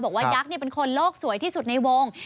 ยักษ์เป็นคนโลกสวยที่สุดในวง